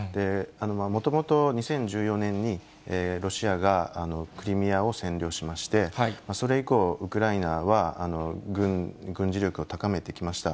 もともと２０１４年にロシアがクリミアを占領しまして、それ以降、ウクライナは軍事力を高めてきました。